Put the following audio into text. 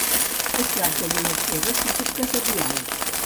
Es tracta d'una acció recíproca de diàleg.